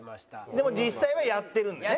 でも実際はやってるんだね？